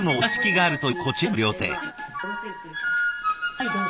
はい。